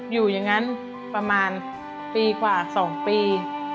อยู่อย่างนั้นประมาณปีกว่า๒ปี